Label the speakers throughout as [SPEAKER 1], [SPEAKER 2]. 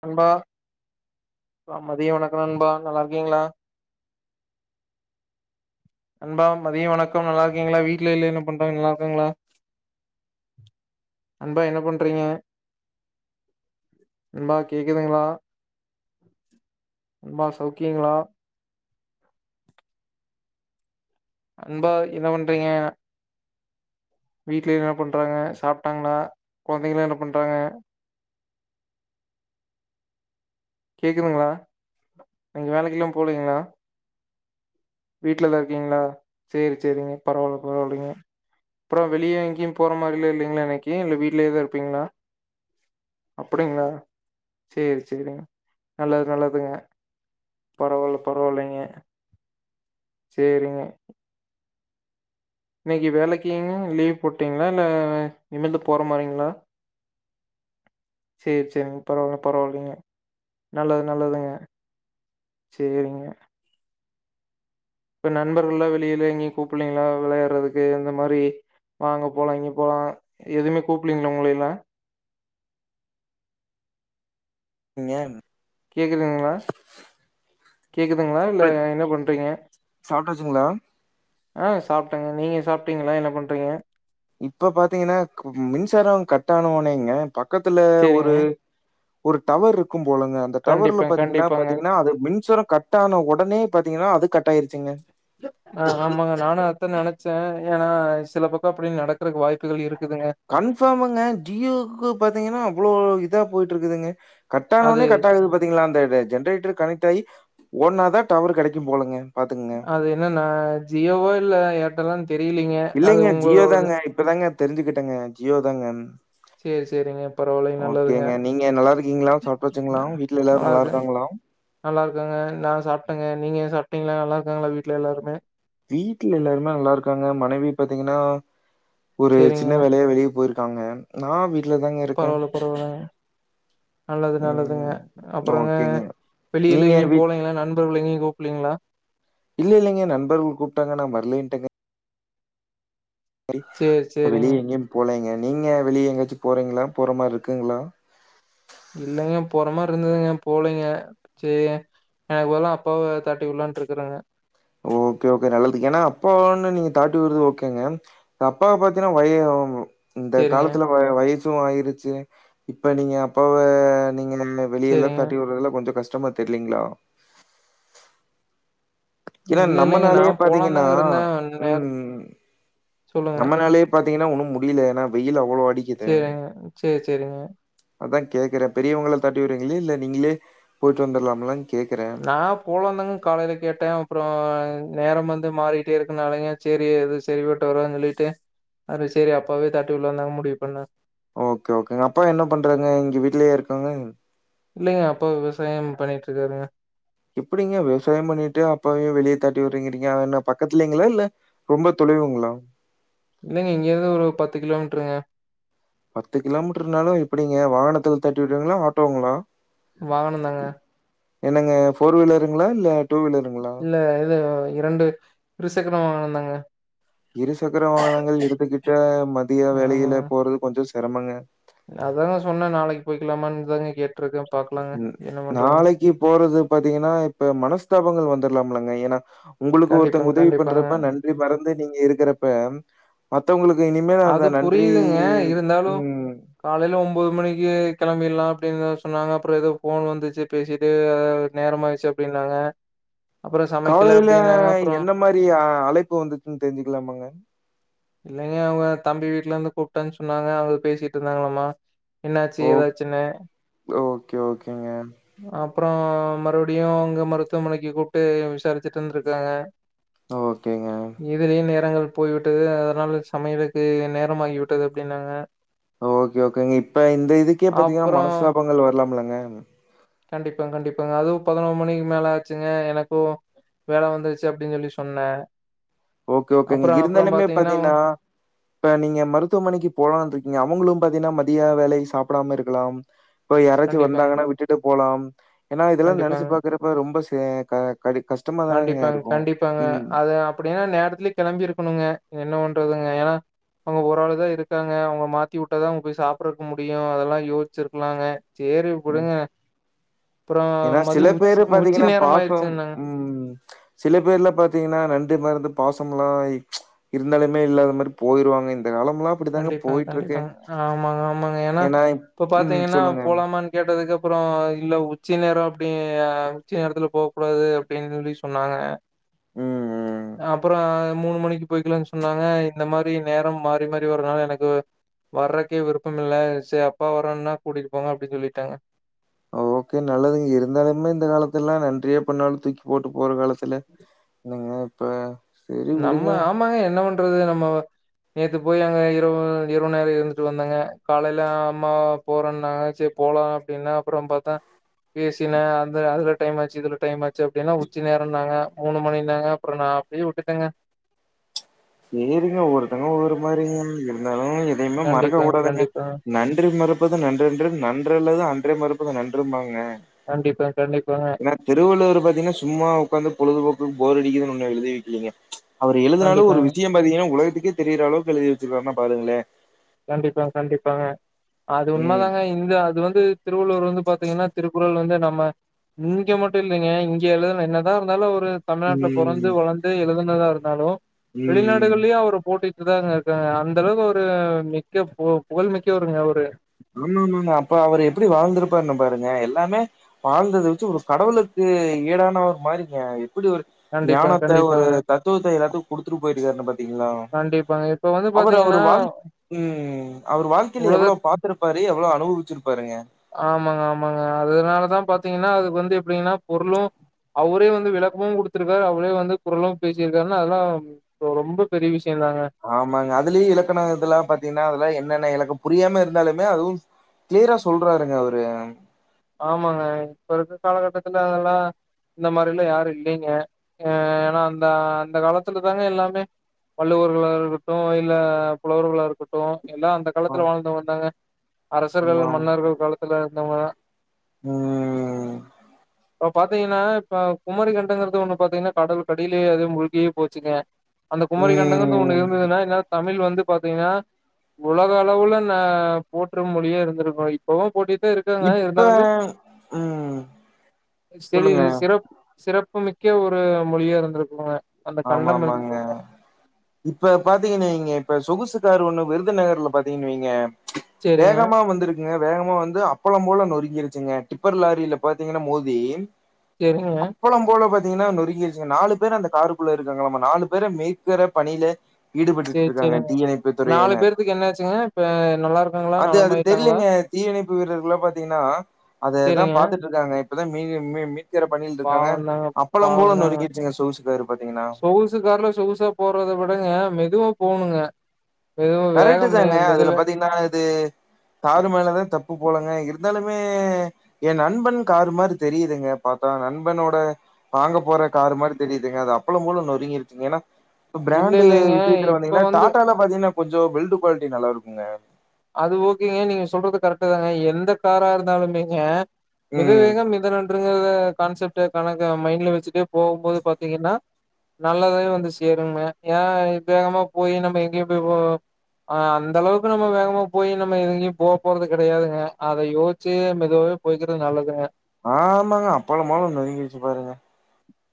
[SPEAKER 1] நண்பா ஆ மதிய வணக்கோ நண்பா நல்லா இருக்கீங்களா நண்பா மதியோ வணக்கம் நல்லா இருக்கீங்களா வீட்ல எல்லா என்ன பண்றாங்க நல்லா இருக்காங்களா நண்பா என்ன பண்றீங்க நண்பா கேக்குதுங்களா நண்பா சௌக்கியங்களா நண்பா என்ன பண்றீங்க வீட்ல என்ன பண்றாங்க சாப்டாங்களா கொழந்தைங்க எல்லா என்ன பண்றாங்க கேக்குதுங்களா நீங்க வேலைக்கு எல்லா போலீங்களா வீட்லதா இருக்கீங்களா சேரி சேரிங்க பரவால்ல பரவால்லைங்க அப்புறோ வெளிய எங்கயும் போற மாரிலா இல்லைங்களா இன்னைக்கு இல்ல வீட்லயேதா இருப்பீங்களா அப்டிங்களா சேரி சேரிங்க நல்லது நல்லதுங்க பரவால்ல பரவால்லைங்க சேரிங்க இன்னைக்கு வேலைக்குங்க லீவ் போட்டீங்களா இல்ல இனிமேல்தா போற மாரிங்களா சேரி சேரிங்க பரவால் பரவால்லைங்க நல்லது நல்லதுங்க சேரிங்க இப்ப நண்பர்கள்ல்லா வெளியில இங்கயு கூப்பலீங்களா விளையாடுறதுக்கு இந்த மாரி வாங்க போலா இங்கயு போலா எதுமே கூப்பலீங்களா உங்களய எல்லா
[SPEAKER 2] நீங்கம்
[SPEAKER 1] கேக்குதுங்களா கேக்குதுங்களா இல்ல என்ன பண்றீங்க
[SPEAKER 2] சாப்ட்டாச்சுங்களா
[SPEAKER 1] ஆ சாப்டங்க நீங்க சாப்டீங்களா என்ன பண்றீங்க
[SPEAKER 2] இப்ப பாத்தீங்கன்னா மின்சாரோ கட்டோனு நீங்க பக்கத்துல
[SPEAKER 1] சரிங்க.
[SPEAKER 2] ஒரு ஒரு டவர் இருக் கும் போலங்க அந்த டவருல
[SPEAKER 1] கண்டிப்பா,
[SPEAKER 2] பாத்தீங்கன்னா
[SPEAKER 1] கண்டிப்பாங்க.
[SPEAKER 2] பாத்தீங்கன்னா அது மின்சாரோ கட் ஆன ஒடனே பாத் டீங்கன்னா அது கட் ஆயிருச்சுங்க
[SPEAKER 1] ஆ ஆமாங்க நானு அதுதா நெனச்ச ஏனா சில பக்கோ அப்டி நடக்குறக்கு வாய்ப்புகள் இருக்
[SPEAKER 2] கன்ஃபாமுங்க ஜியோக்கு பாத்தீங்கன்னா அவ்ளோ இதா போயிட்ருக்குதுங்க கட்டானோனே
[SPEAKER 1] அது
[SPEAKER 2] கட் ஆகுது பாத்தீங்களா அந்த ஜென்ரேட்டர் கனெக்ட் ஆயி ஒன்னாதா டவரு கெடைக்கும் போலங்க பாத்துக்குங்க
[SPEAKER 1] அது என்னன்னா ஜியோவா இல்ல ஏர் ட்டல்லா
[SPEAKER 2] இல்லைங்க ஜியோ தாங்க இப்பதாங்க தெரிஞ்சுக்கிட்டங்க ஜியோ தாங்க
[SPEAKER 1] சேரி சேரிங்க பரவால்லைங் நல்லதுங்க
[SPEAKER 2] ஓகேங்க நீங்க நல்லா இருக்கீங்களா சாப்ட்டாச்சுங்களா
[SPEAKER 1] ந
[SPEAKER 2] வீட்ல எல்லாரும்
[SPEAKER 1] நல்லா இருக்கறே
[SPEAKER 2] இருக்காங்களா
[SPEAKER 1] நல்லா இருக்கங்க நா சாப்ட்டங்க நீங்க சாப்டீங்களா நல்கா இருக்காங்களா வீட்ல எல்லாருமே
[SPEAKER 2] வீட்ல எல்லாருமே நல்லா இருக்காங்க மனைவி பாத்தீங்கன்னா ஒரு
[SPEAKER 1] சரிங்க.
[SPEAKER 2] சின்ன வேலையா வெளிய போயிரு க்காங்க நா வீட்
[SPEAKER 1] பரவால்ல பரவால்ல நல்லது நல்லதுங்க
[SPEAKER 2] ம்.
[SPEAKER 1] அப்புறங்க
[SPEAKER 2] ஓகேங்க.
[SPEAKER 1] வெளியில
[SPEAKER 2] நீங்க
[SPEAKER 1] எங்கயு
[SPEAKER 2] வீட்
[SPEAKER 1] போலைங்களா நன் பர்கள் எங்கயு கூப்புட்லீங்களா
[SPEAKER 2] ட்டிங்க
[SPEAKER 1] சரி,
[SPEAKER 2] [inaudible]
[SPEAKER 1] சரிங்க.
[SPEAKER 2] வெளிய எங்கயு போலைங்க நீங்க வெளிய எங்கயாச்சு போறீங்களா போற மாரி இருக்குங்களா?
[SPEAKER 1] இல்லைங்க போற மார இருந்ததுங்க போலைங்க சேரி எனக்கு பதுலா அப்பாவ தாட்டி விடலான்ட்டு இருக்குறேங்க
[SPEAKER 2] ஓகே ஓகே நல்லது ஏன்னா அப்பாவ வேண்ணா நீங்க தாட்டி விட்றது ஓகேங்க இப்ப அப்பாவ பாத்தீங்கன்னா வய இந்த
[SPEAKER 1] சரிங்க,
[SPEAKER 2] காலத்துல வய வயசு ஆயிருச்சு இப்ப நீங்க அப்பாவ நீங்க இன்னமே வெளியல்லா
[SPEAKER 1] சரிங்க.
[SPEAKER 2] தாட்டி விட்றதல்லா கொஞ்ச கஷ் டமா தெரியலீங்களா ஏன்னா
[SPEAKER 1] இல்ல, இல்லைங்க.
[SPEAKER 2] நம்மனாலயே
[SPEAKER 1] நான்
[SPEAKER 2] பாத்தீங்கன்னா
[SPEAKER 1] போலான்தாங்க இருந்தேன். நேர
[SPEAKER 2] ம்
[SPEAKER 1] சொல்லுங்க.
[SPEAKER 2] நம்மனாலயே பாத்தீங்கன்னா ஒன்னும் மு டியில ஏன்னா வெய்யிலு அ
[SPEAKER 1] சேரிங்க சேரி சேரிங்க
[SPEAKER 2] அதா கேக்கறே பெரியவங்கள தாட்டி விட்றீங்களே இல்ல நீங்களே போயிட்டு வந்துரலாமல்லன்
[SPEAKER 1] நா போலான்ந்தாங்க காலைல கேட்டே அப்றோ நேரம் வந்து மாறிட்டே இருக்கனாலைங்க சேரி அது செரிபட்டு வராதுன்னு சொல்லிட்டு அப்ற சேரி அப்பாவயே தாட்டி விடலான்னுதாங்க முடிவு பண்ணே
[SPEAKER 2] ஓகே ஓகேங்க. அப்பா என்ன பண்றாங்க இங்க வீட்லயே இருக்காங்க?
[SPEAKER 1] இல்லைங்க அப்பா விவசாயம் பண்ணிட்டு இருக்காருங்க
[SPEAKER 2] எப்பிடிங்க விவசாயம் பண்ணிட்டு அப்பாவயு வெளிய தாட்டி விடறீங்கறீங்க அது என்ன பக்கத்துலைங்களா இல்ல ரொம்ப தொலைவுங்களா?
[SPEAKER 1] இல்லைங்க இங்க இருந்து ஒரு பத்து கிலோமீட்ருங்க
[SPEAKER 2] பத்து கிலோமீட்டர்னாலு எப்பிடிங்க வாகனத்துல தாட்டி விடுவீங்களா ஆட்டோங்களா?
[SPEAKER 1] வாகனந்தாங்க
[SPEAKER 2] என்னங்க ஃபோர் வீலருங்களா இல்ல வீலருங்களா?
[SPEAKER 1] இல்ல இது இரண்டு இருசக்கர வாகனந்தா ங்க
[SPEAKER 2] இருசக்கர வாகனங்கள் எடுத்துக்கிட்டா மதிய
[SPEAKER 1] ஆமாங்க.
[SPEAKER 2] வேலையில போறது கொஞ்ச சிரமங்க
[SPEAKER 1] ஏற்றதா
[SPEAKER 2] ம் நாளைக்கு போறது பாத்தீங்கனா இப்ப மனஸ்தாபங்கள் வந்துடலாமல்ல வேணா உங்களுக்கு
[SPEAKER 1] கண்டிப்பாங்க,
[SPEAKER 2] ஒருத்தங்க உதவி
[SPEAKER 1] கண்டிப்பாங்க.
[SPEAKER 2] பண்றப்ப நன்றி மறந் வந்து நீங்க இருக்கிறப்ப மத்தவுங்ளுக்கு
[SPEAKER 1] அது புரியுதுங்க இருந்தாலும்
[SPEAKER 2] ம்.
[SPEAKER 1] காலையில ஒன்பது மணிக்கு கெளம்பில்லாம் அப்டின் தான் சொன்னாங்க அப்றோம் ஏதோ போன் வந்துச்சி பேசிட்டே அது நேரம் ஆச்சு அப்டின்னாங்க
[SPEAKER 2] காலையில என்ன மாதிரி அ அழைப்பு வந்துச்சன்னு தெரிஞ்சுக்கலாமாங்க
[SPEAKER 1] இல்லைங் எ அவுங்க தம்பி வீட்டு்லஇந்து கூப்டன் சொன்னாங்க அவுங்க பேசிட்டு இருந்தாங்ளாமா என்னாச்சு
[SPEAKER 2] ஓக்
[SPEAKER 1] ஏதாச்சுன்னு
[SPEAKER 2] ஓகே, ஓகேங்க.
[SPEAKER 1] அ அப்றோம் மறுபடியும் அங்க மருத்துவமனைக்கு கூப்டு விசாரிச்சுட்ருந்திருக்காங்க
[SPEAKER 2] ஓகேங்க
[SPEAKER 1] போய்விட்டது அதனால சமையலுக்கு நேரம் ஆகி விட்டது அப்டின்னாங்க
[SPEAKER 2] ஓகே ஓகேங்க இப்ப இந்த இதுக்கே பாத்தீங்னா மனஸ்தாபங்கள் வரலாம் ஆ
[SPEAKER 1] கண்டிப்பா கண்டிப்பா அதுவும் பதினொரு மணிக்கு மேல ஆச்சுங்க எனக்கு வேலை வந்துச்சி அப்டின் சொல்லி சொன்னேன்
[SPEAKER 2] ஓகே ஓகேங்க
[SPEAKER 1] அப்புறம் அப்புறம்
[SPEAKER 2] இருந்தாலுமே
[SPEAKER 1] பாத்தீங்கன்னா
[SPEAKER 2] பாத்தீங்னா
[SPEAKER 1] அவங்க-
[SPEAKER 2] இப்ப நீங்க மருத்துவமனைக்கு போலான்ருக்கீங்க அவங்களும் பாத்தீங்னா மதிய வேலைக்கு சாப்டாம இருக்கலாம் இப்பயாராச்சு
[SPEAKER 1] கண்டிப்பாங்க
[SPEAKER 2] வந்தாங்கனா விட்டுட்டு போலாம் ஏனா இதெல்லாம் நெனச்சு பாக்குறப்ப ரொம்ப கடி கஷ்டமா தானங்க
[SPEAKER 1] கண்டிப்பாக
[SPEAKER 2] இருக்கும்.
[SPEAKER 1] கண்டிப்பாக
[SPEAKER 2] ம்.
[SPEAKER 1] அது அப்டினா நேர லி கெளம்பி இருக்கணுங்க என்ன பண்றதுங்க ஏனா அவுங்க ஒரு ஆளுதா இருக்காங்க அவுங்கள மாத்தி உட்டதான் அவுங்க போய் சாப்புதற்கு முடியும் அதெல்லாம் யோச்சிருக்லாங்க சேரி வுடுங்க
[SPEAKER 2] ஏனா சில பேரு
[SPEAKER 1] உச்சி
[SPEAKER 2] பாத்தீங்கனா
[SPEAKER 1] நேரம்
[SPEAKER 2] பாசம்
[SPEAKER 1] ஆயிருச்சுன்னாங்க.
[SPEAKER 2] உம் சில பேர்ல பாத்தீங்னா நன்றி மறந்து பாசமலா இருந்தாலுமே இல்லாத மாரி போயிருவாங்க காலம்லாம் அப்படிதாங்க
[SPEAKER 1] கண்டிப்பாங்க
[SPEAKER 2] போயிட்டுருக்கு.
[SPEAKER 1] கண்டிப்பாங்க ஆமாங்க ஆமாங்க ஏனா
[SPEAKER 2] ஏன்னா
[SPEAKER 1] இப்ப
[SPEAKER 2] ம்.
[SPEAKER 1] பாத்தீங்னா
[SPEAKER 2] சொல்லுங்க. ம்.
[SPEAKER 1] போலாமானு கேட்டதுக்கு அப்றோ இல்ல உச்சி நேர அப்டி அ உச்சி நேரதுலா போவகூடாது அப்டின்னு சொல்லி சொன்னாங்க
[SPEAKER 2] ம்.
[SPEAKER 1] அப்பறோம் மூணு மணிக்கு போய்கலான் சொன்னாங்க இந்த மாரி நேரம் மாறி மாறி பிவர்னால எனக்கு வர்றக்கே விருப்பம் இல்ல செரி அப்பா வரேன் னா கூட்டிட்டு போங்க அப்டின்னு சொல்லிடே
[SPEAKER 2] ஓகே நல்லதுங்க இருந்தாலுமே இந்த காலத்துல்லா நன்றியே பண்ணாலு தூக்கி போட்டு போற காலத் த்துல்லு நீங்க ஆ
[SPEAKER 1] நம்ப ஆமாங்க என்ன பண் ட்றது நம்ப நேத்து போயி அங்க இரவு இரவுநேர இருந்துட்டு வந்தங்க காலைல அம்மா போறனாங்ச்சே போலா அப்பிடின்ன அப்புறோ பாத்தா பேசின அந்த அதுல டைமுஆச்சி இதுல டைம் ச்ச அப்பிடின்னா உச்சி நேரோன்னாங்க மூணுமணி நாங்க அப்புறோ நா புய்யே உட் ட்டங்க
[SPEAKER 2] சேரிங்க ஒருத்தங்க ஒரு ஒரு மாரிங்க இருந்தா ம் எதையுமே
[SPEAKER 1] கண்டிப்பாங்க
[SPEAKER 2] மறக்கக்கூடாதுங்க
[SPEAKER 1] கண்டிப்பாங்க
[SPEAKER 2] நன்றி மறுப்பது நன்றன்று நன்றல்லது அன்றே மற ப்புங்க நன்றுபாங்க
[SPEAKER 1] கண்டிப்பாங்க கண்டிப்பாங்க
[SPEAKER 2] னா திருவள்ளுவர் பாத்தீனா சும்மா உக்காந்து பொழுதுபோக்கு போர் அடிக்குதுனு ஒன்னு எழுதி வைக்கிலீங்க அவரு எழுதினாலு ஒரு
[SPEAKER 1] கண்டிப்பாங்க
[SPEAKER 2] வி ஏ ஒலகத்துக்கே தெரியிற அளவுக்கு எழுதி வச்சுக்கறானா பாருங்களே
[SPEAKER 1] கண்டிப்பாங் கண்டிப்பாங்க அது
[SPEAKER 2] ம்
[SPEAKER 1] உண்மதாங்க இந்த அது வந்து திருவள்ளூர் பாத்தீங்கனா திருக்குறள் வந்து நம்ம இங்க மட்டு இல்லிங்க இங்கெழுதுன என்னதா இருந்தாலு ப்புல தமிழ்நாட்ல பொறந்து
[SPEAKER 2] ம்
[SPEAKER 1] வளந்து எழுதுனதா இரு நாலு
[SPEAKER 2] ம்
[SPEAKER 1] வெளிநாடுகளயு அவரு போட்டி இதாங்க இருக்காங்க அந்த அளவுக்கு ஒரு மிக்க பு புகழ்மிக்கவருங்க அவரு
[SPEAKER 2] ஆமா ஆமாமா அப்ப அவரு எப்பிடி வாழ்ந்துருப்பாருனு பாருங்க எல்லாமே வாழ்ந்தத வச்சி ஒரு கடவுக்கு ஈடானவர் மாறிங்க ப்படி ஒரு
[SPEAKER 1] கண்டிப்பா,
[SPEAKER 2] ஞானத்த ஒரு
[SPEAKER 1] கண்டிப்பாங்க.
[SPEAKER 2] தத்துவத்த எல்லாத்து குடுத்துட்டு போய்ட்ருக்காரு பாத்தீங்களா
[SPEAKER 1] கண்டிப்பாங்க. இப்ப வந்து
[SPEAKER 2] அவரு அவரு
[SPEAKER 1] பாத்தீங்கன்னா,
[SPEAKER 2] வாழ் ம் அவரு வாழ்க்கையில எவ்ளோ
[SPEAKER 1] உலகத்
[SPEAKER 2] பா தி எவ்ளோ அனுவுச்சி
[SPEAKER 1] ஆமாங்க ஆமாங்க அதுனாலதா பாத் திங்கன அதுக்கு வந்து எப்பிடினா பொருளு அவரே வந்து விளக்கமு கொடுத்துருக்காரு அவரே வந்து குரலும் பேசிருகாருனா அதெல்லா ரொம்ப பெரிய விஷ்
[SPEAKER 2] ஆமாங்க அதிலியு இலக்கண இதல்லா பாத்தீங்கனா அதுல என்னென்ன இலக் புரியாம இருந்தாலுமே அதுவு க்ளியரா சொல்றாருங்க அவரு
[SPEAKER 1] ஆமாங்க இப்பருக்க காலகட்டத்துல அதல்லா இந்த மாரிலா யாரு இல்லிங்க அ ஏனா அந்த அந்த காலத்துல தாங்க எல்லாமே வள்ளூர்களா இருக்கட்டு இல்ல புலவர்களா இருக்கட்டு எல்லா அந்த
[SPEAKER 2] ஆமா
[SPEAKER 1] காலத்துல வாழ்ந்து வந்தாங்க அரசர்கள் மன்னர்கள் காலத்துல நம்ம
[SPEAKER 2] உ
[SPEAKER 1] இப்ப பாத்தீங்கனா இப்ப குமரி கண்டங்கறது ஒன்னு பாத்தீங்கனா கடலுக்டிலே அது மூழ்கியே போச்சுங்க அந்த குமரி கண்டங்கது ஒன்னு
[SPEAKER 2] ம்
[SPEAKER 1] இருந்துதுனா இன்னா தமிழ் வந் [unintelligible] பாத்தீங்கனா உலக அளவுல ந போற்று மொழியே இருந்திருக்கு இப்பவு போட்டி [unintelligible] இருக்குங்க
[SPEAKER 2] இப்ப
[SPEAKER 1] [unintelligible]
[SPEAKER 2] ம்
[SPEAKER 1] செரி
[SPEAKER 2] சொல்லுங்க
[SPEAKER 1] சிறப் சிறப்பு மிக்க ஒரு மொழியா இருந்திருக்குங்க அந்த கண்டம்
[SPEAKER 2] ஆமாமாங்க
[SPEAKER 1] இருந்தது
[SPEAKER 2] இப்ப பாத்தீங்கனு வைங்க இப்ப சொகுசுக்காரு ஒண்ணு விருதுநகர்ல பாத்தீங்கன்னு வைங்க
[SPEAKER 1] செரிங்க
[SPEAKER 2] வேகமா வந்திருக்குங்க வேகமா வந்து அப்பளோ போல நொறுங்கிருச்சுங்க டிப்பர் லாரில பாத்தீங்கன்னா மோதி
[SPEAKER 1] செரிங்க
[SPEAKER 2] த்தீங்கன்னா நொறுக்கிர்ச்சுங்க நாலு பேர் அந்த காருக் குள்ள இருக்காங்களாமா நாலு பேர மேக்கிற பணில ஈடுபட்டுட்டு
[SPEAKER 1] செரி
[SPEAKER 2] இருக்காங்க
[SPEAKER 1] செரிங்க
[SPEAKER 2] தீயணைப்பு
[SPEAKER 1] நாலு
[SPEAKER 2] துறையினர்
[SPEAKER 1] பேர்த்துக்கு என்ன ஆச்சுங்க இப்ப நல்லா இருக்காங்களா
[SPEAKER 2] அது அது
[SPEAKER 1] நலமாயிட்டாங்களா
[SPEAKER 2] தெரியலங்க தீயணைப்பு வீரர்களா பாத்தீங்கன்னா அதைதா
[SPEAKER 1] செரிங்க
[SPEAKER 2] பாத்துட்டு இருக்காங்க இப்போ தா மீதி மீ மீ ட்க்கிற பணியில் இருக்காங்க
[SPEAKER 1] பாவந்தாங்க
[SPEAKER 2] அப்பளம் போல
[SPEAKER 1] பாவந்தாங்க
[SPEAKER 2] நொறுக்கிடுச்சுங்க சோகுசுகாரு
[SPEAKER 1] சொகுசு கார்ல சொகுசா போறத விடங்க மெதுவா போணுங்க மெதுவா
[SPEAKER 2] கரெக்ட்டு
[SPEAKER 1] வேகம் மெ
[SPEAKER 2] தாங்க அதுல
[SPEAKER 1] மெதுவ
[SPEAKER 2] பாத்தீங்கன்னா இது காறுமேல தா தப்பு போலங்க இருந்தாலுமே எ நண்பன் காரு மாரி தெரியுதுங்க பாத்தா நண்பனோட வாங்க போற காரு மாரி தெரியுதுங்க அது அப்பளம் போல நொருங்கிருச்சுங்க ஏன்னா இப்ப
[SPEAKER 1] இல்ல
[SPEAKER 2] பிராண்டு்
[SPEAKER 1] இல்லைங்க
[SPEAKER 2] விஷயத்துல
[SPEAKER 1] இப்ப
[SPEAKER 2] வந்தீங்கன்னா
[SPEAKER 1] வந்து
[SPEAKER 2] டாட்டால பாத்தீங்கன்னா கொஞ்சோ பில்டு குவாலிட்டி நல்லா இருக்குங்க
[SPEAKER 1] அது ஓகேங்க நீங்க சொல்றது கரெக்ட் தாங்க எந்த காரா இருந்தாலுமேங்க மித
[SPEAKER 2] ம்
[SPEAKER 1] வேகம் மித நன் அப்டிங்கரத கான்சப்டே கணக்கா மைண்டுல வச்சுடே போகும்போது பாத்தீங்கன்னா நல்லதே வந்து சேருங்க ஏ வேகமா போய் நம்ப எங்கயு போய் அந்த அளவுக்கு நம்ப வேகமா போய் நம்ம எது எங்கையு போ போறது கெடையாதுங்க அத யோசிச்சு மெதுவாவே போய்க்கிறது நல்லதுங்க
[SPEAKER 2] ஆமாங்க அப்பளம் போல நோருங்கிருச்சு பாருங்க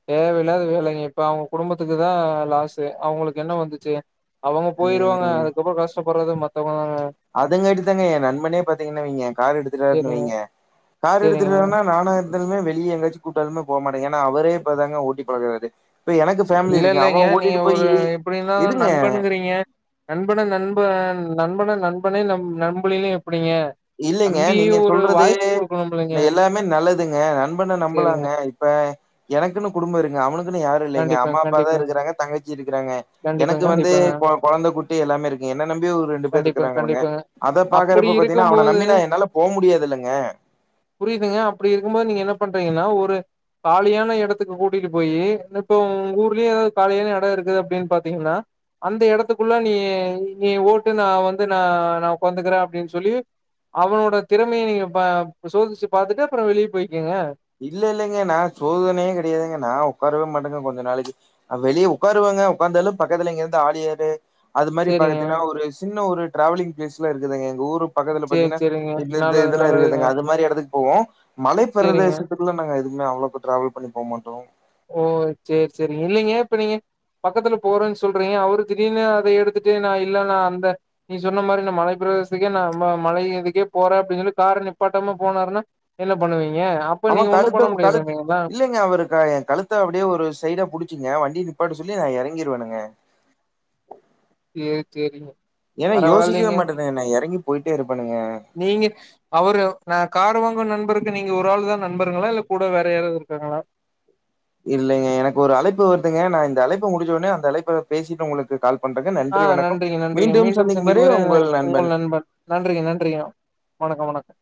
[SPEAKER 1] தேவ இலாத வேலைங்க இப்ப அவுங்க குடும்பத்துக்கு தா லாசு அவுங்களுக்கு என்ன வந்துச்சு அவுங்க போயிருவாங்க அதுக்கப்புறோ கஷ்டப்படுறது மத் த்தவங்க தாங்க
[SPEAKER 2] அதுங்கட்டு தாங்க ஏ நண்பனே பாத்தீங்கன்னா வைங்க கார் எடுத்துறாருன்னு
[SPEAKER 1] சேரிங்க
[SPEAKER 2] வைங்க கார்
[SPEAKER 1] சேரிங்க
[SPEAKER 2] எடுத்துறான்னா நானா இருந்தாலுமே வெளிய எங்காச்சி கூட்டாலுமே போ மாட்டங்க ஏன்னா அவுரே இப்பாதாங்க ஓட்டி பழகுறாரு இப்ப எனக்கு ஃபேமிலி
[SPEAKER 1] இல்ல
[SPEAKER 2] இருக்கு
[SPEAKER 1] இல்லங்க
[SPEAKER 2] அவ
[SPEAKER 1] நீங்க
[SPEAKER 2] ஓட்டிட்டு
[SPEAKER 1] ஒரு
[SPEAKER 2] போயி
[SPEAKER 1] எப்டி இருந்தாலு
[SPEAKER 2] இருங்க
[SPEAKER 1] நண்பனுங்குறீங்க நண்பன் நண்பன் நண்பன நண்பனே நம் நம்புழியே
[SPEAKER 2] இல்லைங்க நீங்க சொல்றது
[SPEAKER 1] வாய்ப்பு குடுக்கணும்லங்க
[SPEAKER 2] எல்லாமே நல்லதுங்க நண்பனை
[SPEAKER 1] சேரிங்க
[SPEAKER 2] நம்பலாங்க இப்ப எனக்குன் குடும்பம் இருங்க அவனுக்குன் யாரும் இல்
[SPEAKER 1] கண்டிப்பா
[SPEAKER 2] அம்மா அப்பா தா
[SPEAKER 1] கண்டிப்பா
[SPEAKER 2] இருக்குறாங்க தங்கச்சி இருக்குறாங்க
[SPEAKER 1] கண்டிப்பாங்க
[SPEAKER 2] எனக்கு வந்து
[SPEAKER 1] கண்டிப்பாங்க.
[SPEAKER 2] கொழந்த குட்டி எல்லாமே இருக்கு என்ன நம்பி ஒரு ரெண்டு பேர்
[SPEAKER 1] கண்டிப்பாங்க
[SPEAKER 2] இருக்குறாங்கலங்க
[SPEAKER 1] கண்டிப்பாங்க.
[SPEAKER 2] அத பாக்குற
[SPEAKER 1] அப்படி
[SPEAKER 2] அப்போ பாத் அவனை
[SPEAKER 1] இருக்கும்போது
[SPEAKER 2] நம்பினா என்னால போ முடியாது இல்லங்க
[SPEAKER 1] கன்னா ஒரு காலியான எடத்துக்கு கூட்டிட்டு போயி இப்போ உங்க ஊர்லயே ஏதாவுது காலியான எடம் இருக்குது அப்பிடின் பாத்தீங்கன்னா அந்த எடத்துக்குள்ள நீ நீ ஓட்டு நா வந்து நா நா ஓக்காந்துக்குறேன் அப்பிடின் சொல்லி அவனோட திறமைய நீங்க ப சோதிச்சு பாத்துட்டு அப்புற வெளிய போயி
[SPEAKER 2] இல்ல இல்லலங்க நா சோதனையே கெடையாதுங்க நா ஒக்காரவே மாட்டேன் கொஞ்ச நாளைக்கு வெளிய உக்காருவேங்க உக்காந்தாலும் பக்கத்துல எங்கேயாது ஆளு யாரு அது மாரி
[SPEAKER 1] சரிங்க.
[SPEAKER 2] பாகத்தீன்னா ஒரு வஸ் சின்ன ஒரு ட்ராவலிங் பிளேஸ்ல இருக்குதுங்க எங்க ஊர் பக்கத்துல
[SPEAKER 1] சரி,
[SPEAKER 2] பாத்தீங்கன்னா
[SPEAKER 1] சரிங்க.
[SPEAKER 2] இல்லட்ற
[SPEAKER 1] நல்லது
[SPEAKER 2] இதுலா
[SPEAKER 1] நல்லதுங்க.
[SPEAKER 2] இருக்குதுங்க அது மாரி எடத்துக்கு போவோம்
[SPEAKER 1] சரிங்க.
[SPEAKER 2] மலைப்பிரதேச நா எதுக்குமே அவ்ளோ டிராவல் பண்ணி போ மட்டோம்
[SPEAKER 1] ஓ சேர் சேரி இல்லிங்க இப்ப நீங்க பக்கத்துல போறேன் சொல்றீங்க அவுரு திடீர்னு அத எடுத்துட்டு நா இல்ல நா அந்த நீ சொன்ன மாரி நா மலை பிரதசத்துக்கே நா மழ இதுக்கே போறேன் அப்பிடின்னு சொல்லி கார நிப்பாட்டமா போனாருன்னா என்ன பண்ணுவீங்க அப்ப
[SPEAKER 2] ஆமா
[SPEAKER 1] நீங்க ஒண்ணும்
[SPEAKER 2] கழுத்து
[SPEAKER 1] பண்ண
[SPEAKER 2] கழுத்
[SPEAKER 1] முடியாதுங்களா
[SPEAKER 2] இல்லங்க அவுரு ஏ கழுத்து த அப்டியே ஒரு சைடா புடிச்சுங்க வண்டி நிப்பாட்ட சொல்லி நா எறங்கிருவேணுங்க
[SPEAKER 1] சேரி சேரிங்க
[SPEAKER 2] ஏன்னா யோசிக்கவே
[SPEAKER 1] பரவாயில்லைங்க
[SPEAKER 2] மாட்டேனே நா எறங்கி போயிட்டே இரு
[SPEAKER 1] நீங்க அவுரு நா கார் வாங் நண்பருக்கு நீங்க ஒரு ஆள்தா நண்பருங்ளா இல்ல கூட வேற யாராது இருக்காங்ளா
[SPEAKER 2] இல்லைங்க எனக்கு ஒரு அழைப்பு வருதுங்க நா இந்த அழைப்பு முடிச்ச ஓடனே அந்த அழைப்ப பேசிட்டு உங்களுக்கு கால்
[SPEAKER 1] ஆ நன்றிங்க நன்றிங்க மீண்டும் சந்திக்கும் வரை உங்கள் நண்பன் நன்றிங்க நன்றிங்க வணக்கம் வணக்க